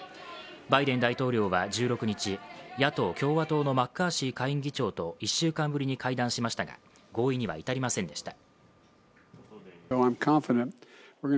バイデン大統領は１６日野党・共和党のマッカーシー下院議長と１週間ぶりに会談しましたが、合意には至りませんでした。